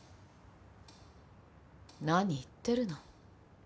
何言ってるの？